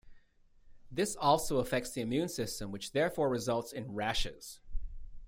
This also affects the immune system which therefore results in rashes.